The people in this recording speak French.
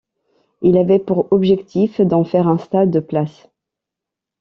Il avait pour objectif d'en faire un stade de places.